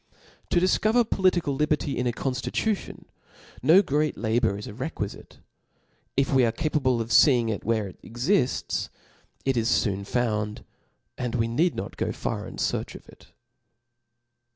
To diicover political liberty in a confutation, no great labour is requifice. If we are capable of fee ing it where it exifts, it is foon found, and we need not go far in fearch of it.